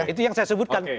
itu yang saya sebutkan